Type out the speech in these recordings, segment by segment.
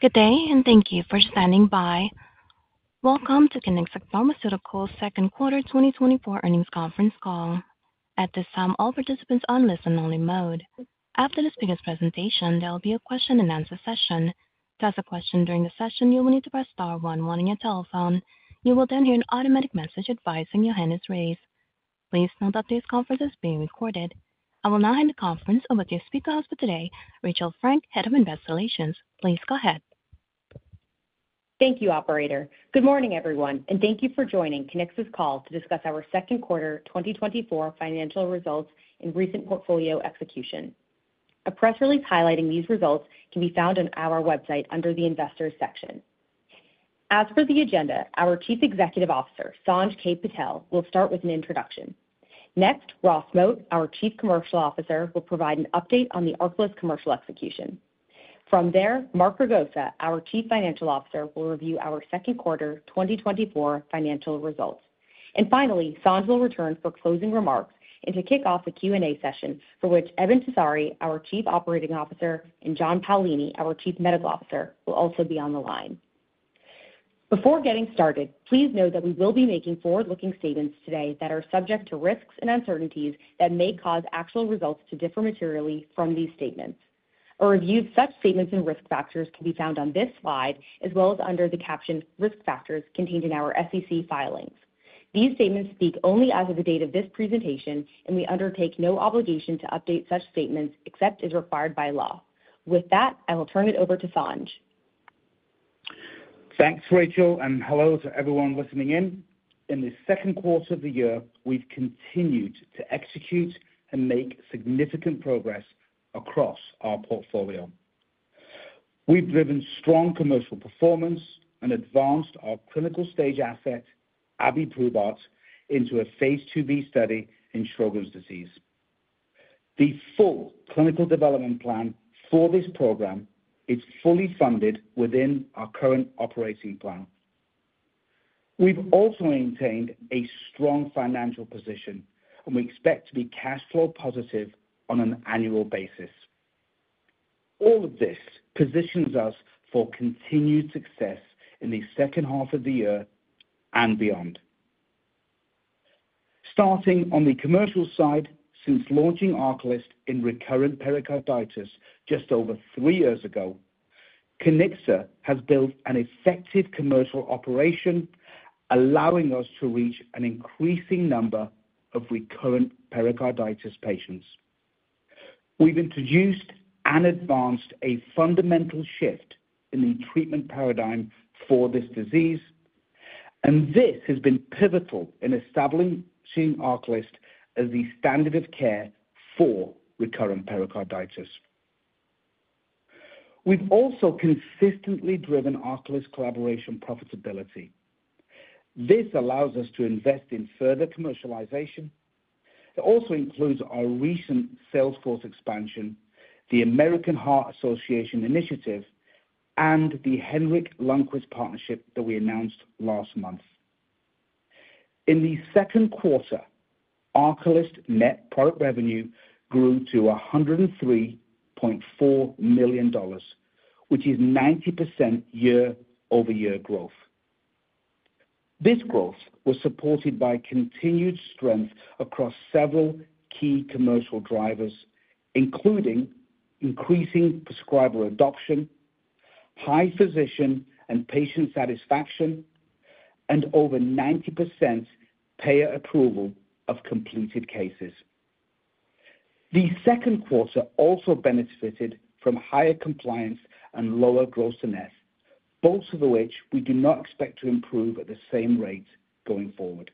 Good day, and thank you for standing by. Welcome to Kiniksa Pharmaceuticals' second quarter 2024 earnings conference call. At this time, all participants are on listen-only mode. After this speaker's presentation, there will be a question-and-answer session. To ask a question during the session, you will need to press star 11 on your telephone. You will then hear an automatic message advising your hand is raised. Please note that this conference is being recorded. I will now hand the conference over to your speaker host today, Rachel Frank, Head of Investor Relations. Please go ahead. Thank you, Operator. Good morning, everyone, and thank you for joining Kiniksa's call to discuss our second quarter 2024 financial results and recent portfolio execution. A press release highlighting these results can be found on our website under the investors' section. As for the agenda, our Chief Executive Officer, Sanj K. Patel, will start with an introduction. Next, Ross Moat, our Chief Commercial Officer, will provide an update on the ARCALYST commercial execution. From there, Mark Ragosa, our Chief Financial Officer, will review our second quarter 2024 financial results. And finally, Sanj will return for closing remarks and to kick off the Q&A session for which Eben Tessari, our Chief Operating Officer, and John Paolini, our Chief Medical Officer, will also be on the line. Before getting started, please note that we will be making forward-looking statements today that are subject to risks and uncertainties that may cause actual results to differ materially from these statements. A review of such statements and risk factors can be found on this slide as well as under the captioned risk factors contained in our SEC filings. These statements speak only as of the date of this presentation, and we undertake no obligation to update such statements except as required by law. With that, I will turn it over to Sanj. Thanks, Rachel, and hello to everyone listening in. In this second quarter of the year, we've continued to execute and make significant progress across our portfolio. We've driven strong commercial performance and advanced our clinical stage asset, abiprubart, into a phase 2b study in Sjögren’s disease. The full clinical development plan for this program is fully funded within our current operating plan. We've also maintained a strong financial position, and we expect to be cash flow positive on an annual basis. All of this positions us for continued success in the second half of the year and beyond. Starting on the commercial side, since launching ARCALYST in recurrent pericarditis just over three years ago, Kiniksa has built an effective commercial operation, allowing us to reach an increasing number of recurrent pericarditis patients. We've introduced and advanced a fundamental shift in the treatment paradigm for this disease, and this has been pivotal in establishing ARCALYST as the standard of care for recurrent pericarditis. We've also consistently driven ARCALYST's collaboration profitability. This allows us to invest in further commercialization. It also includes our recent sales force expansion, the American Heart Association initiative, and the Henrik Lundqvist partnership that we announced last month. In the second quarter, ARCALYST's net product revenue grew to $103.4 million, which is 90% year-over-year growth. This growth was supported by continued strength across several key commercial drivers, including increasing prescriber adoption, high physician and patient satisfaction, and over 90% payer approval of completed cases. The second quarter also benefited from higher compliance and lower gross-to-net, both of which we do not expect to improve at the same rate going forward.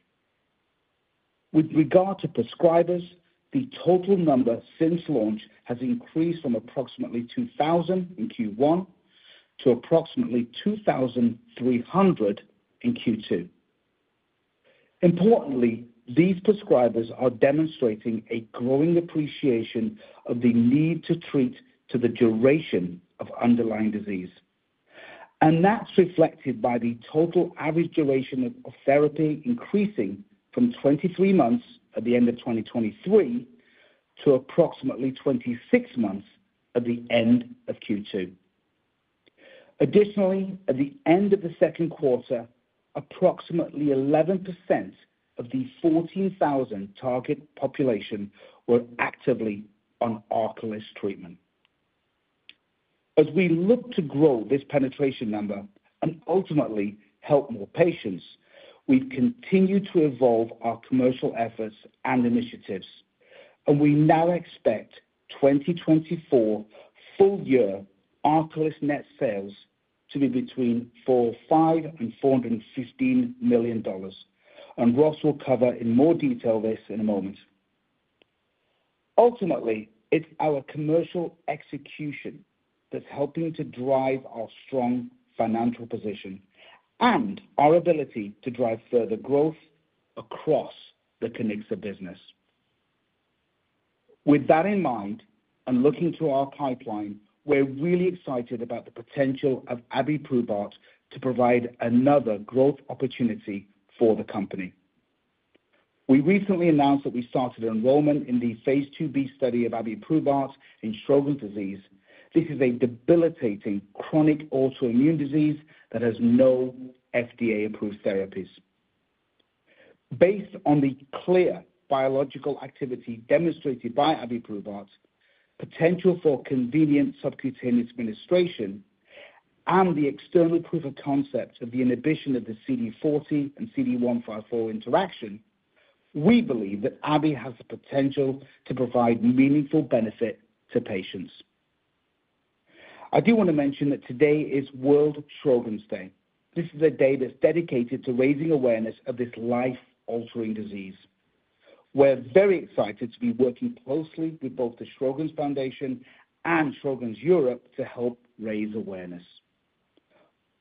With regard to prescribers, the total number since launch has increased from approximately 2,000 in Q1 to approximately 2,300 in Q2. Importantly, these prescribers are demonstrating a growing appreciation of the need to treat to the duration of underlying disease, and that's reflected by the total average duration of therapy increasing from 23 months at the end of 2023 to approximately 26 months at the end of Q2. Additionally, at the end of the second quarter, approximately 11% of the 14,000 target population were actively on ARCALYST treatment. As we look to grow this penetration number and ultimately help more patients, we've continued to evolve our commercial efforts and initiatives, and we now expect 2024 full-year ARCALYST net sales to be between $405-$415 million, and Ross will cover in more detail this in a moment. Ultimately, it's our commercial execution that's helping to drive our strong financial position and our ability to drive further growth across the Kiniksa business. With that in mind and looking to our pipeline, we're really excited about the potential of abiprubart to provide another growth opportunity for the company. We recently announced that we started enrollment in the Phase 2b study of a abiprubart in Sjögren’s disease. This is a debilitating chronic autoimmune disease that has no FDA-approved therapies. Based on the clear biological activity demonstrated by abiprubart, potential for convenient subcutaneous administration, and the external proof of concept of the inhibition of the CD40 and CD154 interaction, we believe that abiprubart has the potential to provide meaningful benefit to patients. I do want to mention that today is World Sjögren’s Day. This is a day that's dedicated to raising awareness of this life-altering disease. We're very excited to be working closely with both the Sjögren’s Foundation and Sjögren Europe to help raise awareness.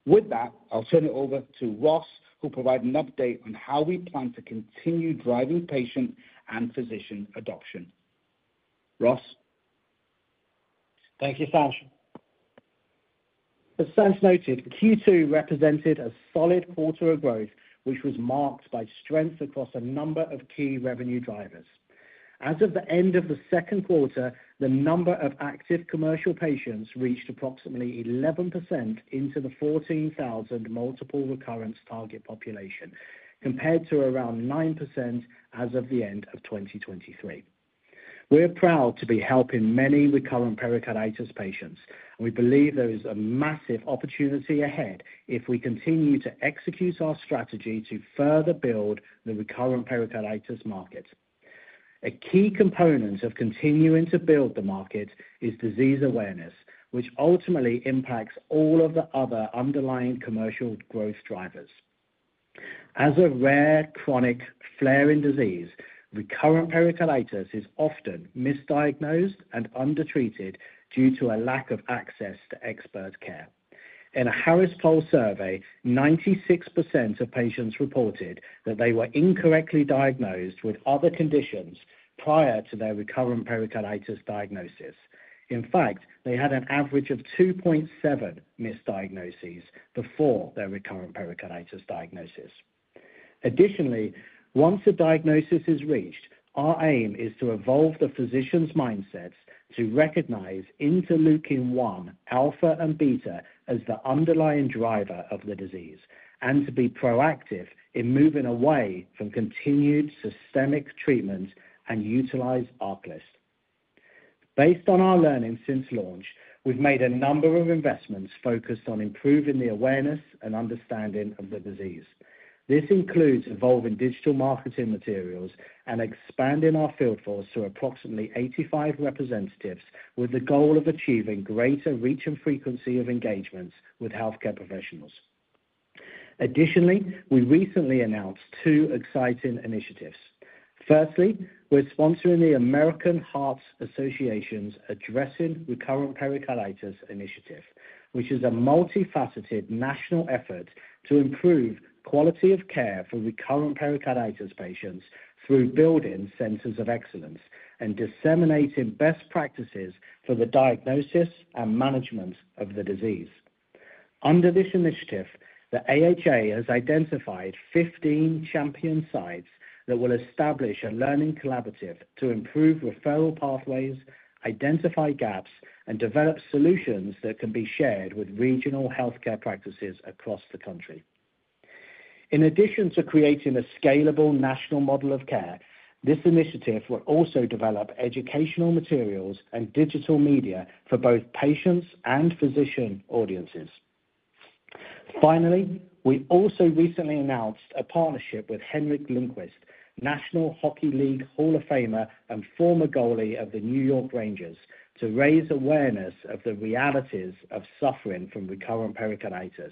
With that, I'll turn it over to Ross, who will provide an update on how we plan to continue driving patient and physician adoption. Ross. Thank you, Sanj. As Sanj noted, Q2 represented a solid quarter of growth, which was marked by strength across a number of key revenue drivers. As of the end of the second quarter, the number of active commercial patients reached approximately 11% into the 14,000 multiple recurrence target population, compared to around 9% as of the end of 2023. We're proud to be helping many recurrent pericarditis patients, and we believe there is a massive opportunity ahead if we continue to execute our strategy to further build the recurrent pericarditis market. A key component of continuing to build the market is disease awareness, which ultimately impacts all of the other underlying commercial growth drivers. As a rare chronic flaring disease, recurrent pericarditis is often misdiagnosed and undertreated due to a lack of access to expert care. In a Harris Poll survey, 96% of patients reported that they were incorrectly diagnosed with other conditions prior to their recurrent pericarditis diagnosis. In fact, they had an average of 2.7 misdiagnoses before their recurrent pericarditis diagnosis. Additionally, once a diagnosis is reached, our aim is to evolve the physician's mindsets to recognize interleukin-1, alpha and beta as the underlying driver of the disease and to be proactive in moving away from continued systemic treatment and utilize ARCALYST. Based on our learnings since launch, we've made a number of investments focused on improving the awareness and understanding of the disease. This includes evolving digital marketing materials and expanding our field force to approximately 85 representatives with the goal of achieving greater reach and frequency of engagements with healthcare professionals. Additionally, we recently announced two exciting initiatives. Firstly, we're sponsoring the American Heart Association's Addressing Recurrent Pericarditis Initiative, which is a multifaceted national effort to improve quality of care for recurrent pericarditis patients through building centers of excellence and disseminating best practices for the diagnosis and management of the disease. Under this initiative, the AHA has identified 15 champion sites that will establish a learning collaborative to improve referral pathways, identify gaps, and develop solutions that can be shared with regional healthcare practices across the country. In addition to creating a scalable national model of care, this initiative will also develop educational materials and digital media for both patients and physician audiences. Finally, we also recently announced a partnership with Henrik Lundqvist, National Hockey League Hall of Famer and former goalie of the New York Rangers, to raise awareness of the realities of suffering from recurrent pericarditis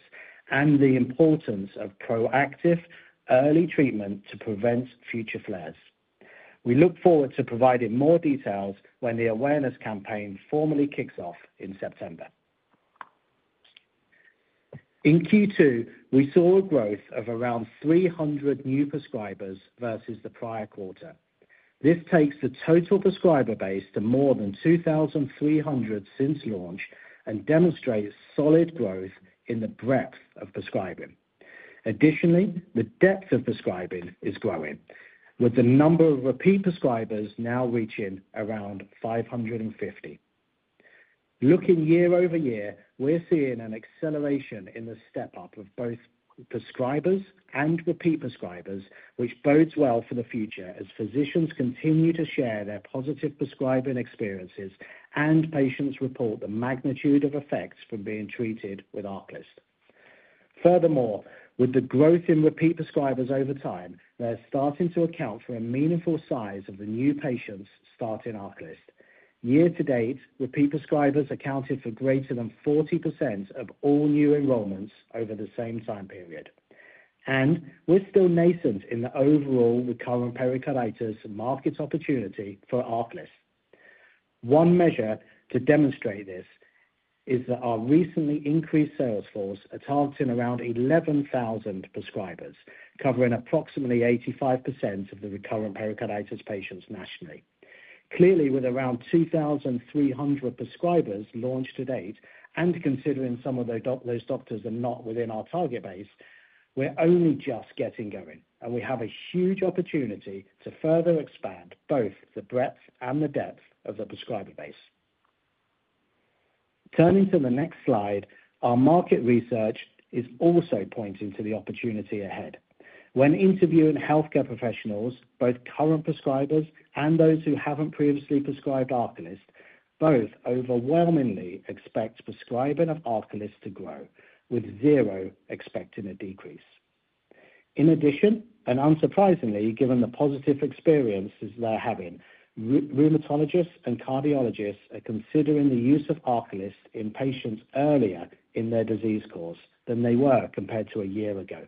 and the importance of proactive early treatment to prevent future flares. We look forward to providing more details when the awareness campaign formally kicks off in September. In Q2, we saw a growth of around 300 new prescribers versus the prior quarter. This takes the total prescriber base to more than 2,300 since launch and demonstrates solid growth in the breadth of prescribing. Additionally, the depth of prescribing is growing, with the number of repeat prescribers now reaching around 550. Looking year-over-year, we're seeing an acceleration in the step-up of both prescribers and repeat prescribers, which bodes well for the future as physicians continue to share their positive prescribing experiences and patients report the magnitude of effects from being treated with ARCALYST. Furthermore, with the growth in repeat prescribers over time, they're starting to account for a meaningful size of the new patients starting ARCALYST. Year-to-date, repeat prescribers accounted for greater than 40% of all new enrollments over the same time period, and we're still nascent in the overall recurrent pericarditis market opportunity for ARCALYST. One measure to demonstrate this is that our recently increased sales force is targeting around 11,000 prescribers, covering approximately 85% of the recurrent pericarditis patients nationally. Clearly, with around 2,300 prescribers launched to date and considering some of those doctors are not within our target base, we're only just getting going, and we have a huge opportunity to further expand both the breadth and the depth of the prescriber base. Turning to the next slide, our market research is also pointing to the opportunity ahead. When interviewing healthcare professionals, both current prescribers and those who haven't previously prescribed ARCALYST, both overwhelmingly expect prescribing of ARCALYST to grow, with zero expecting a decrease. In addition, and unsurprisingly, given the positive experiences they're having, rheumatologists and cardiologists are considering the use of ARCALYST in patients earlier in their disease course than they were compared to a year ago.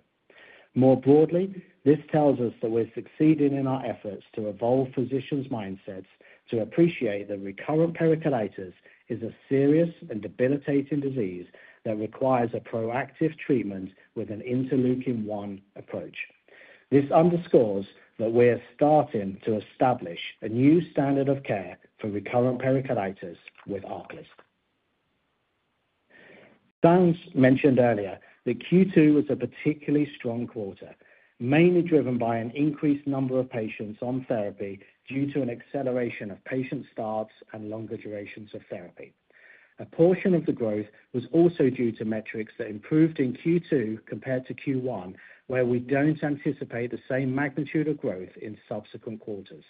More broadly, this tells us that we're succeeding in our efforts to evolve physicians' mindsets to appreciate that recurrent pericarditis is a serious and debilitating disease that requires a proactive treatment with an interleukin-1 approach. This underscores that we're starting to establish a new standard of care for recurrent pericarditis with ARCALYST. Sanj mentioned earlier that Q2 was a particularly strong quarter, mainly driven by an increased number of patients on therapy due to an acceleration of patient starts and longer durations of therapy. A portion of the growth was also due to metrics that improved in Q2 compared to Q1, where we don't anticipate the same magnitude of growth in subsequent quarters.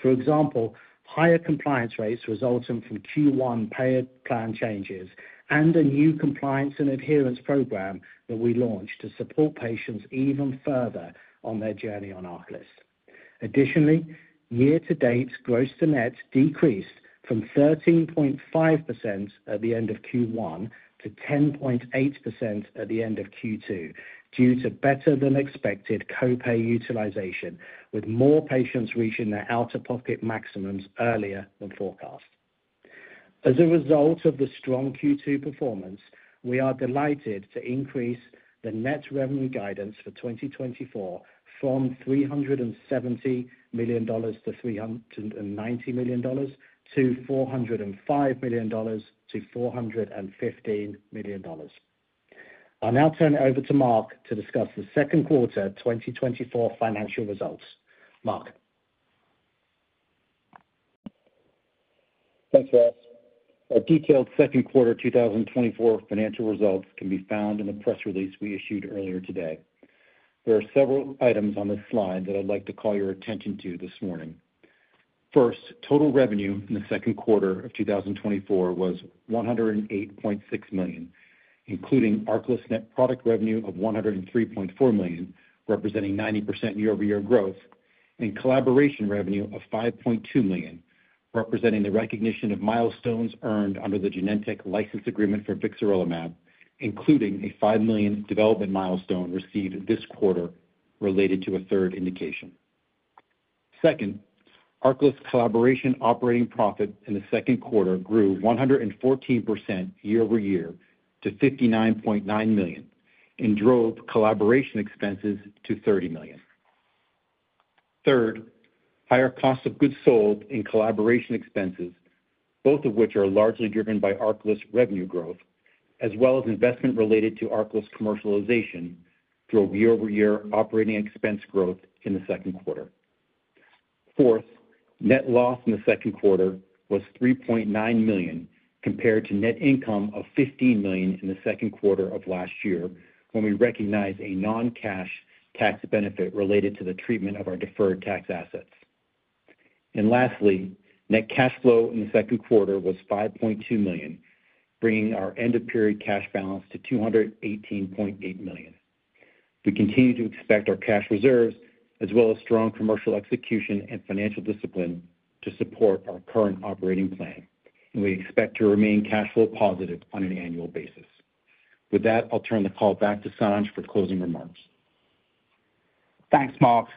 For example, higher compliance rates resulting from Q1 payer plan changes and a new compliance and adherence program that we launched to support patients even further on their journey on ARCALYST. Additionally, year-to-date gross-to-net decreased from 13.5% at the end of Q1 to 10.8% at the end of Q2 due to better-than-expected copay utilization, with more patients reaching their out-of-pocket maximums earlier than forecast. As a result of the strong Q2 performance, we are delighted to increase the net revenue guidance for 2024 from $370-$390 million to $405-$415 million. I'll now turn it over to Mark to discuss the second quarter 2024 financial results. Mark. Thanks, Ross. Our detailed second quarter 2024 financial results can be found in the press release we issued earlier today. There are several items on this slide that I'd like to call your attention to this morning. First, total revenue in the second quarter of 2024 was $108.6 million, including ARCALYST net product revenue of $103.4 million, representing 90% year-over-year growth, and collaboration revenue of $5.2 million, representing the recognition of milestones earned under the Genentech license agreement for Vixarelimab, including a $5 million development milestone received this quarter related to a third indication. Second, ARCALYST's collaboration operating profit in the second quarter grew 114% year-over-year to $59.9 million and drove collaboration expenses to $30 million. Third, higher cost of goods sold in collaboration expenses, both of which are largely driven by ARCALYST revenue growth, as well as investment related to ARCALYST commercialization drove year-over-year operating expense growth in the second quarter. Fourth, net loss in the second quarter was $3.9 million compared to net income of $15 million in the second quarter of last year when we recognized a non-cash tax benefit related to the treatment of our deferred tax assets. Lastly, net cash flow in the second quarter was $5.2 million, bringing our end-of-period cash balance to $218.8 million. We continue to expect our cash reserves, as well as strong commercial execution and financial discipline, to support our current operating plan, and we expect to remain cash flow positive on an annual basis. With that, I'll turn the call back to Sanj for closing remarks. Thanks, Mark.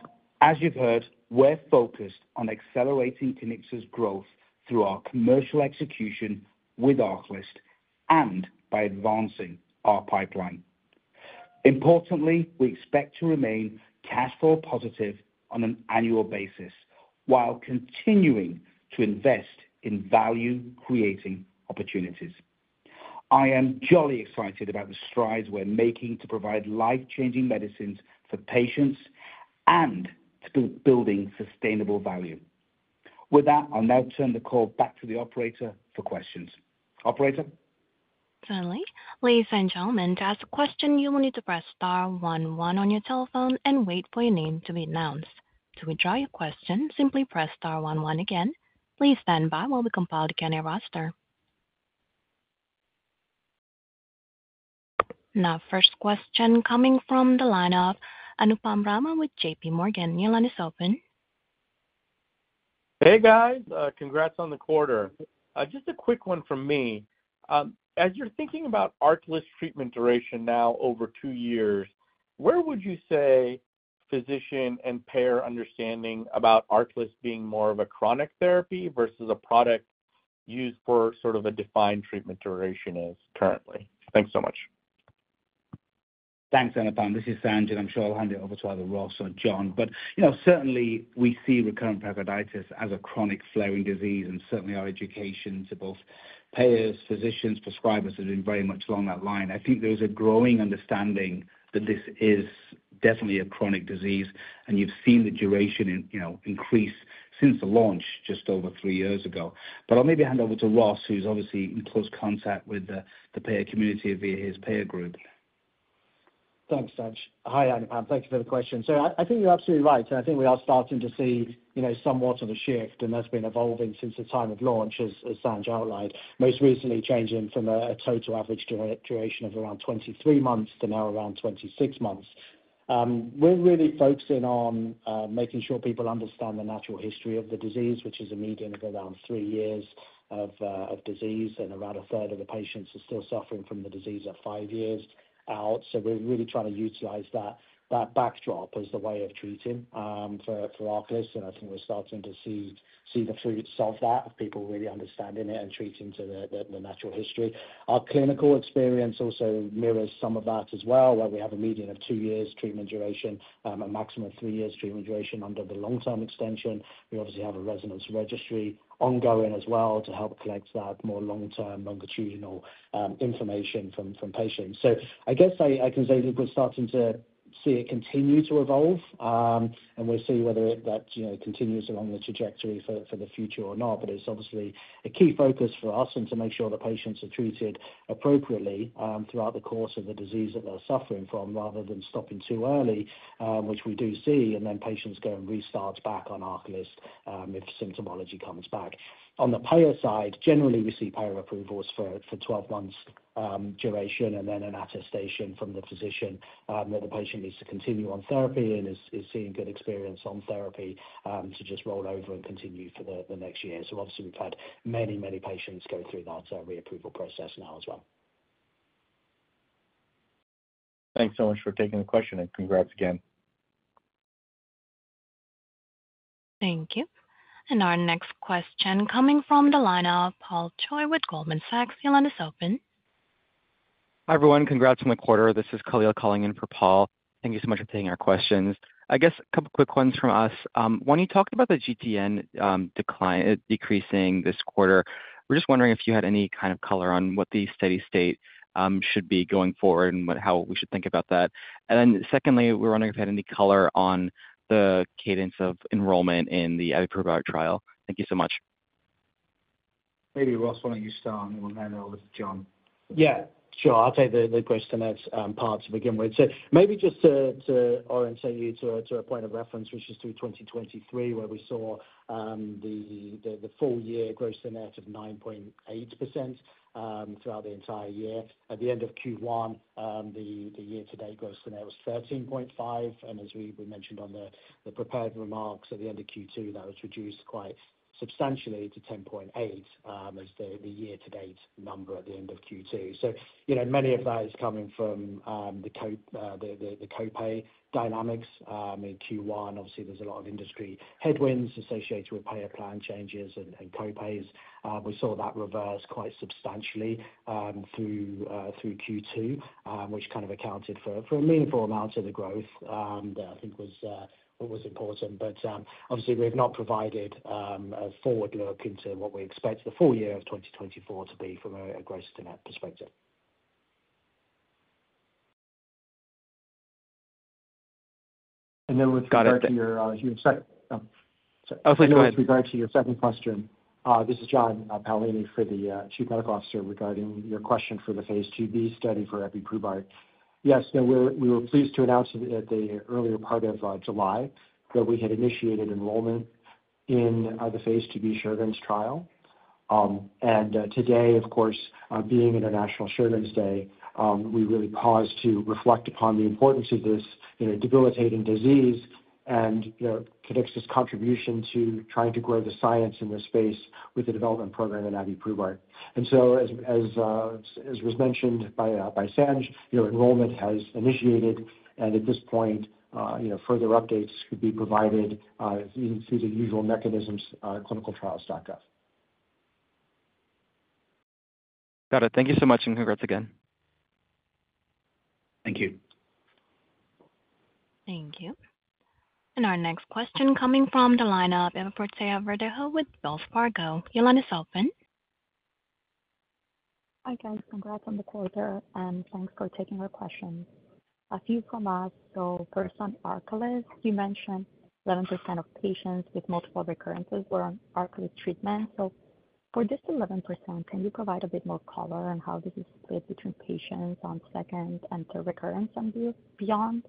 As you've heard, we're focused on accelerating Kiniksa's growth through our commercial execution with ARCALYST and by advancing our pipeline. Importantly, we expect to remain cash flow positive on an annual basis while continuing to invest in value-creating opportunities. I am jolly excited about the strides we're making to provide life-changing medicines for patients and to building sustainable value. With that, I'll now turn the call back to the operator for questions. Operator. Certainly. Ladies and gentlemen, to ask a question, you will need to press star 11 on your telephone and wait for your name to be announced. To withdraw your question, simply press star 11 again. Please stand by while we compile the candidate roster. Now, first question coming from the line of Anupam Rama with J.P. Morgan. Your line is open. Hey, guys. Congrats on the quarter. Just a quick one from me. As you're thinking about ARCALYST's treatment duration now over 2 years, where would you say physician and payer understanding about ARCALYST being more of a chronic therapy versus a product used for sort of a defined treatment duration is currently? Thanks so much. Thanks, Anupam. This is Sanj, and I'm sure I'll hand it over to either Ross or John. But certainly, we see recurrent pericarditis as a chronic flaring disease, and certainly our education to both payers, physicians, and prescribers has been very much along that line. I think there is a growing understanding that this is definitely a chronic disease, and you've seen the duration increase since the launch just over three years ago. But I'll maybe hand over to Ross, who's obviously in close contact with the payer community via his payer group. Thanks, Sanj. Hi, Anupam. Thank you for the question. So I think you're absolutely right, and I think we are starting to see somewhat of a shift, and that's been evolving since the time of launch, as Sanj outlined, most recently changing from a total average duration of around 23 months to now around 26 months. We're really focusing on making sure people understand the natural history of the disease, which is a median of around 3 years of disease, and around a third of the patients are still suffering from the disease at 5 years out. So we're really trying to utilize that backdrop as the way of treating for ARCALYST, and I think we're starting to see the fruits of that, of people really understanding it and treating to the natural history. Our clinical experience also mirrors some of that as well, where we have a median of 2 years treatment duration, a maximum of 3 years treatment duration under the long-term extension. We obviously have a RESONANCE registry ongoing as well to help collect that more long-term longitudinal information from patients. So I guess I can say that we're starting to see it continue to evolve, and we'll see whether that continues along the trajectory for the future or not, but it's obviously a key focus for us to make sure the patients are treated appropriately throughout the course of the disease that they're suffering from rather than stopping too early, which we do see, and then patients go and restart back on ARCALYST if symptomology comes back. On the payer side, generally, we see payer approvals for 12 months' duration and then an attestation from the physician that the patient needs to continue on therapy and is seeing good experience on therapy to just roll over and continue for the next year. So obviously, we've had many, many patients go through that reapproval process now as well. Thanks so much for taking the question, and congrats again. Thank you. Our next question coming from the line of Paul Choi with Goldman Sachs. Your line is open. Hi everyone. Congrats on the quarter. This is Kayla calling in for Paul. Thank you so much for taking our questions. I guess a couple of quick ones from us. One, you talked about the GTN decreasing this quarter. We're just wondering if you had any kind of color on what the steady state should be going forward and how we should think about that. And then secondly, we're wondering if you had any color on the cadence of enrollment in the abiprubart trial. Thank you so much. Maybe Ross wanted you to start, and then I'll let John. Yeah. Sure. I'll take the gross-to-net part to begin with. So maybe just to orientate you to a point of reference, which is through 2023, where we saw the full-year gross-to-net of 9.8% throughout the entire year. At the end of Q1, the year-to-date gross-to-net was 13.5%, and as we mentioned on the prepared remarks at the end of Q2, that was reduced quite substantially to 10.8% as the year-to-date number at the end of Q2. So many of that is coming from the copay dynamics in Q1. Obviously, there's a lot of industry headwinds associated with payer plan changes and copays. We saw that reverse quite substantially through Q2, which kind of accounted for a meaningful amount of the growth that I think was important. But obviously, we have not provided a forward look into what we expect the full year of 2024 to be from a gross-to-net perspective. With regard to your second. Oh, sorry. I was going to ask with regard to your second question. This is John Paolini, the Chief Medical Officer, regarding your question for the Phase 2b study for abiprubart. Yes, so we were pleased to announce at the earlier part of July that we had initiated enrollment in the Phase 2b Sjögren’s trial. Today, of course, being International Sjögren’s Day, we really paused to reflect upon the importance of this debilitating disease and Kiniksa's contribution to trying to grow the science in this space with the development program in abiprubart. As was mentioned by Sanj, enrollment has initiated, and at this point, further updates could be provided through the usual mechanisms, ClinicalTrials.gov. Got it. Thank you so much, and congrats again. Thank you. Thank you. Our next question coming from the line of Eva Fortea-Verdejo with Wells Fargo. Your line is open. Hi, guys. Congrats on the quarter, and thanks for taking our questions. A few from us. So first, on ARCALYST, you mentioned 11% of patients with multiple recurrences were on ARCALYST treatment. So for this 11%, can you provide a bit more color on how this is split between patients on second and third recurrence and beyond?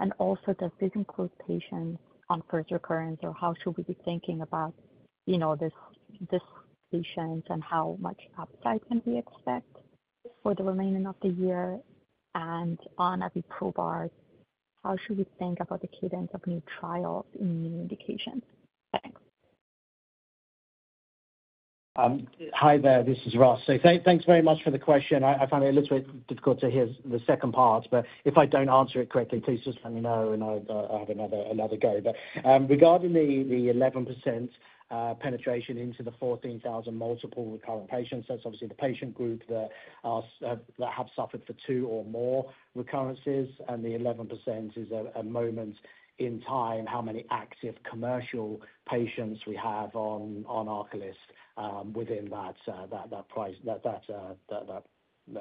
And also, does this include patients on first recurrence, or how should we be thinking about these patients and how much upside can we expect for the remaining of the year? And on abiprubart, how should we think about the cadence of new trials and new indications? Thanks. Hi there. This is Ross. So thanks very much for the question. I find it a little bit difficult to hear the second part, but if I don't answer it correctly, please just let me know, and I'll have another go. But regarding the 11% penetration into the 14,000 multiple recurrent patients, that's obviously the patient group that have suffered for two or more recurrences, and the 11% is a moment in time how many active commercial patients we have on ARCALYST within that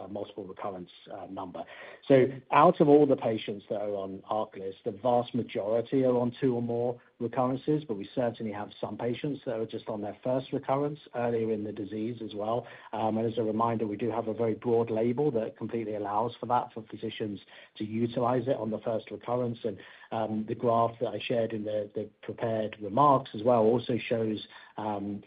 multiple recurrence number. So out of all the patients, though, on ARCALYST, the vast majority are on two or more recurrences, but we certainly have some patients that are just on their first recurrence earlier in the disease as well. And as a reminder, we do have a very broad label that completely allows for that for physicians to utilize it on the first recurrence. The graph that I shared in the prepared remarks as well also shows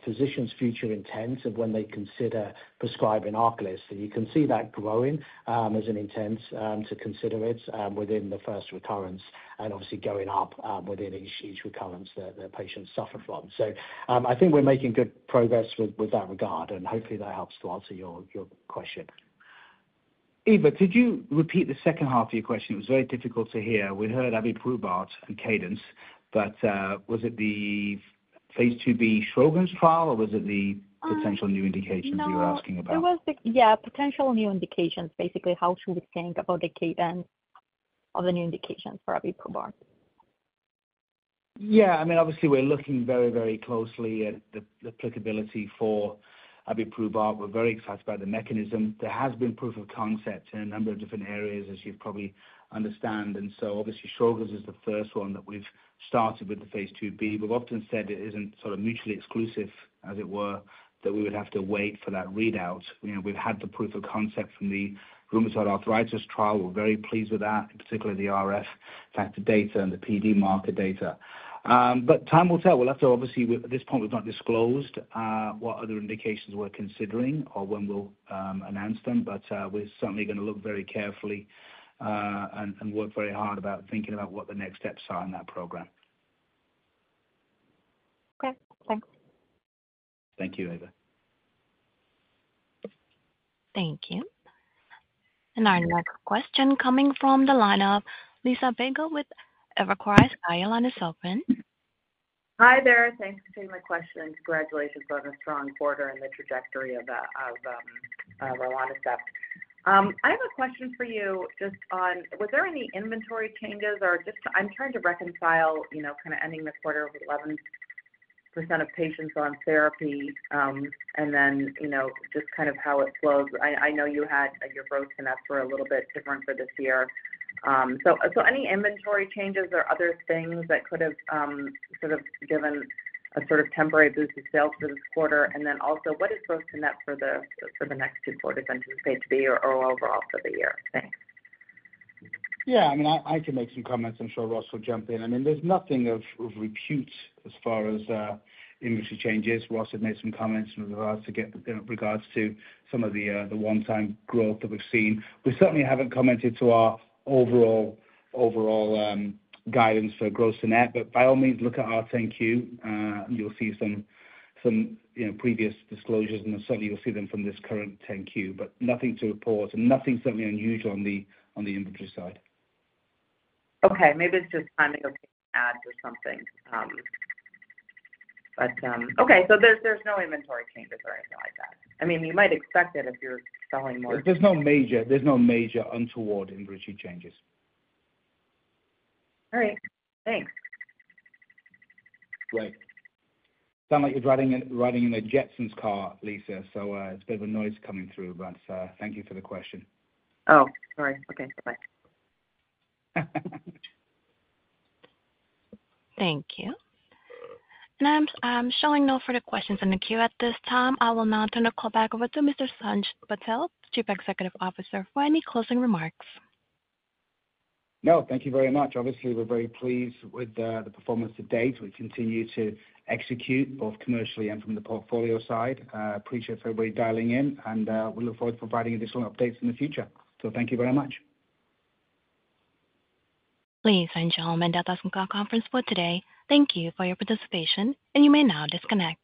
physicians' future intent of when they consider prescribing ARCALYST. You can see that growing as an intent to consider it within the first recurrence and obviously going up within each recurrence that patients suffer from. I think we're making good progress in that regard, and hopefully, that helps to answer your question. Eva, could you repeat the second half of your question? It was very difficult to hear. We heard abiprubart and cadence, but was it the Phase 2b Sjögren’s trial, or was it the potential new indications you were asking about? Yeah, potential new indications, basically. How should we think about the cadence of the new indications for abiprubart? Yeah. I mean, obviously, we're looking very, very closely at the applicability for abiprubart. We're very excited about the mechanism. There has been proof of concept in a number of different areas, as you probably understand. And so obviously, Sjögren’s is the first one that we've started with the Phase 2b. We've often said it isn't sort of mutually exclusive, as it were, that we would have to wait for that readout. We've had the proof of concept from the rheumatoid arthritis trial. We're very pleased with that, particularly the RF factor data and the PD marker data. But time will tell. We'll have to obviously, at this point, we've not disclosed what other indications we're considering or when we'll announce them, but we're certainly going to look very carefully and work very hard about thinking about what the next steps are in that program. Okay. Thanks. Thank you, Eva. Thank you. And our next question coming from the line of Liisa Bayko with Evercore ISI. Our line is open. Hi there. Thanks for taking my question. Congratulations on a strong quarter and the trajectory of ARCALYST. I have a question for you just on, was there any inventory changes? I'm trying to reconcile kind of ending the quarter with 11% of patients on therapy and then just kind of how it flows. I know you had your gross-to-net for a little bit different for this year. So any inventory changes or other things that could have sort of given a sort of temporary boost of sales for this quarter? And then also, what is gross-to-net for the next two quarters, Phase 2b or overall for the year? Thanks. Yeah. I mean, I can make some comments. I'm sure Ross will jump in. I mean, there's nothing of repute as far as inventory changes. Ross had made some comments in regards to some of the one-time growth that we've seen. We certainly haven't commented to our overall guidance for gross-to-net, but by all means, look at our 10-Q, and you'll see some previous disclosures, and certainly, you'll see them from this current 10-Q. But nothing to report and nothing certainly unusual on the inventory side. Okay. Maybe it's just timing of adding ads or something. But okay. So there's no inventory changes or anything like that? I mean, you might expect it if you're selling more. There's no major untoward inventory changes. All right. Thanks. Great. Sounds like you're riding in a Jetsons car, Liisa. So it's a bit of a noise coming through, but thank you for the question. Oh, sorry. Okay. Bye-bye. Thank you. I'm showing no further questions in the queue at this time. I will now turn the call back over to Mr. Sanj Patel, Chief Executive Officer, for any closing remarks. No, thank you very much. Obviously, we're very pleased with the performance to date. We continue to execute both commercially and from the portfolio side. Appreciate for everybody dialing in, and we look forward to providing additional updates in the future. Thank you very much. Ladies and gentlemen, that does conclude our conference for today. Thank you for your participation, and you may now disconnect.